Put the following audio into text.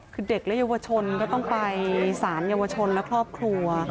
คือเด็กและเยาวชนก็ต้องไปสารเยาวชนและครอบครัว